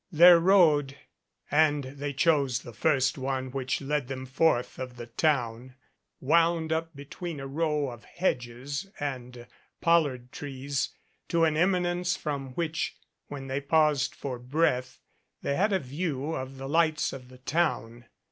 Their road, and they chose the first one which led them forth of the town, wound up between a row of hedges and pollard trees to an eminence from which, when they paused for breath, they had a view of the lights of the MADCAP town.